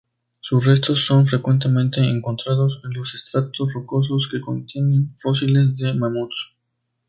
Sus restos son frecuentemente encontrados en los estratos rocosos que contienen fósiles de mamuts.